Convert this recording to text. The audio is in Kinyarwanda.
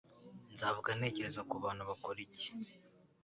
Nzavuga ntekereza ku bantu Bakora iki